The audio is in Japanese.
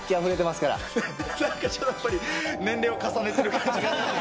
なんかやっぱり、年齢重ねている感じが。